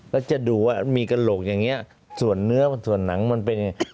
แล้วจะดูว่ามีกระโหลกอย่างนี้ส่วนเนื้อส่วนหนังมันเป็นยังไง